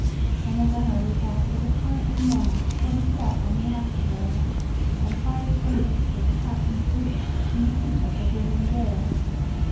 And the gunner we had was apparently mad, For he sat on the after rail, And fired salutes with the captain's boots, In the teeth of the booming gale.